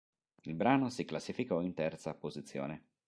Il brano si classificò in terza posizione.